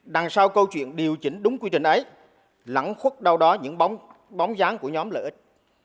đằng sau câu chuyện điều chỉnh đúng quy trình ấy lẫn khuất đâu đó những bóng dáng của nhóm lợi ích